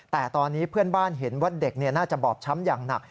แต่ตอนนี้เพื่อนบ้านเห็นว่าเด็กน่าจะบอบช้ำอย่างหนัก